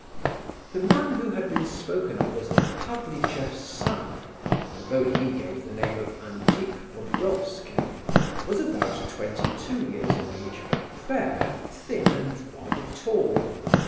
The man who had been spoken of as "Pavlicheff's son," although he gave the name of Antip Burdovsky, was about twenty two years of age, fair, thin and rather tall.